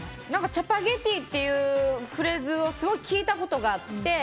チャパゲティっていうフレーズをすごく聞いたことがあって。